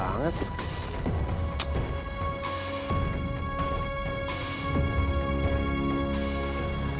ngapain dia disini